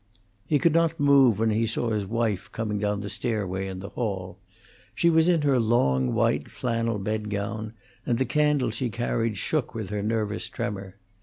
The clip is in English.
He could not move when he saw his wife coming down the stairway in the hall. She was in her long, white flannel bed gown, and the candle she carried shook with her nervous tremor.